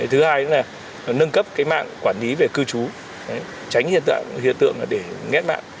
thứ hai là nâng cấp mạng quản lý về cư trú tránh hiện tượng để nghét mạng